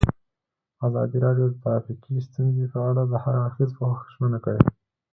ازادي راډیو د ټرافیکي ستونزې په اړه د هر اړخیز پوښښ ژمنه کړې.